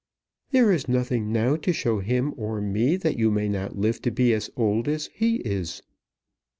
"There is nothing now to show him or me that you may not live to be old as he is."